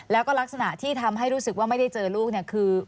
แล้วก็ลักษณะที่ทำให้รู้สึกว่าไม่ได้เจอลูกเนี่ยคือ